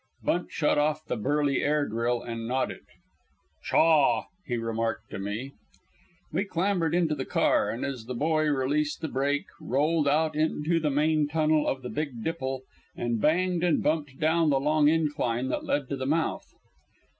Bunt shut off the Burly air drill and nodded. "Chaw," he remarked to me. We clambered into the car, and, as the boy released the brake, rolled out into the main tunnel of the Big Dipple, and banged and bumped down the long incline that led to the mouth.